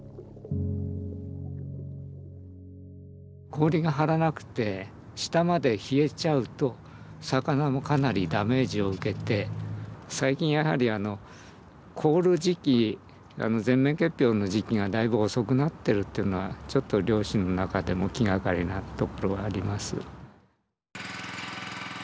氷が張らなくて下まで冷えちゃうと魚もかなりダメージを受けて最近やはりあの凍る時期全面結氷の時期がだいぶ遅くなってるというのはちょっと漁師の中でも気がかりなところはあります。